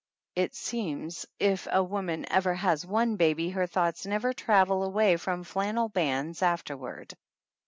"It seems if a woman ever has one baby her thoughts never travel away from flannel bands afterward